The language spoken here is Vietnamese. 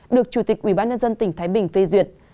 được chủ tịch ubnd tỉnh thái bình phê duyệt